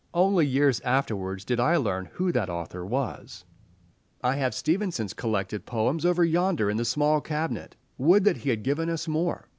Only years afterwards did I learn who that author was. I have Stevenson's collected poems over yonder in the small cabinet. Would that he had given us more!